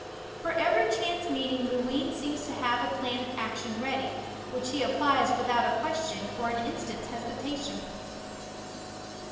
For every chance meeting Mooween seems to have a plan of action ready, which he applies without a question or an instant's hesitation.